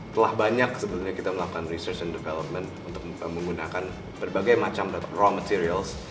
telah banyak sebenarnya kita melakukan research and development untuk menggunakan berbagai macam raw materials